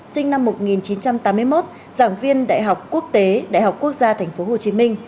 sinh năm một nghìn chín trăm tám mươi một giảng viên đại học quốc tế đại học quốc gia tp hcm